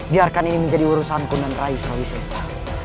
biarkan ini menjadi urusan kundang rai surawisesa